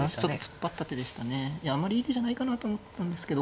あまりいい手じゃないかなと思ったんですけど。